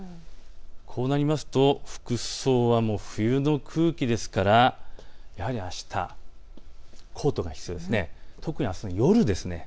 こうなりますと服装は冬の空気ですからコートが必要です。